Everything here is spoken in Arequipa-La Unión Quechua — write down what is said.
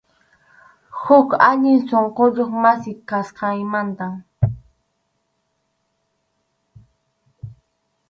Huk allin sunquyuq masi, kasqaymanta.